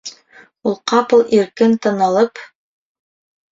Ул ҡапыл, иркен тын алып: